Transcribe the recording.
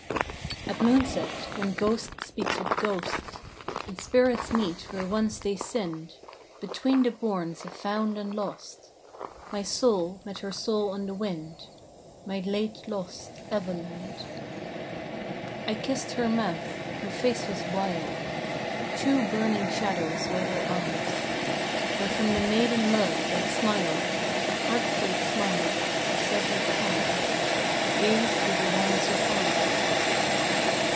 At moonset when ghost speaks with ghost, And spirits meet where once they sinned, Between the bournes of found and lost, My soul met her soul on the wind, My late lost Evalind. I kissed her mouth. Her face was wild. Two burning shadows were her eyes, Wherefrom the maiden love, that smiled A heartbreak smile of severed ties, Gazed with a wan surprise.